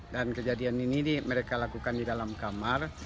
dan kejadian ini mereka lakukan di dalam kamar